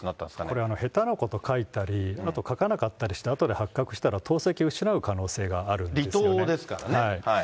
これ、下手なこと書いたり、あと書かなかったりしてあとで発覚したら党籍を失う可能性があり離党ですからね。